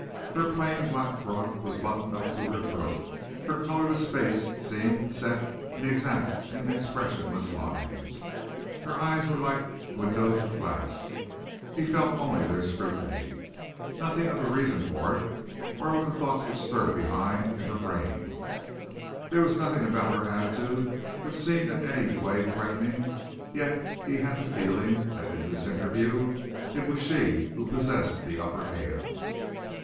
Her plain black frock was buttoned up to her throat. Her colourless face seemed set in exact and expressionless lines. Her eyes were like windows of glass. He felt only their scrutiny; nothing of the reason for it, or of the thoughts which stirred behind in her brain. There was nothing about her attitude which seemed in any way threatening, yet he had the feeling that in this interview it was she who possessed the upper hand.